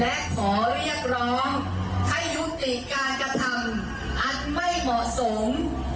และขอเรียกร้องให้ยุติการกระทำอันไม่เหมาะสม